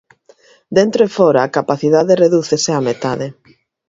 Dentro e fóra a capacidade redúcese á metade.